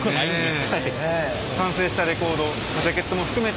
完成したレコードジャケットも含めて